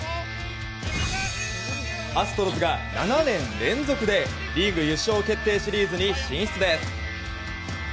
アストロズが、７年連続でリーグ優勝決定シリーズに進出です。